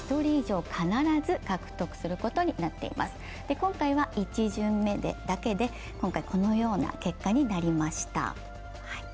今回は１巡目だけでこのような結果になりました。